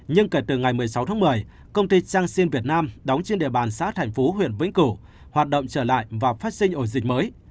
nhưng kể từ ngày một mươi sáu tháng một mươi công ty trang sinh việt nam đóng trên địa bàn xã thành phú huyện vĩnh cửu hoạt động trở lại và phát sinh ổ dịch mới